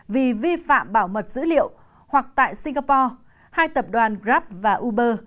vì vi phạm bảo mật dữ liệu hoặc tại singapore hai tập đoàn grab và uber